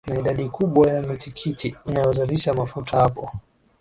na idadi kubwa ya michikichi inayozalisha mafuta Hapo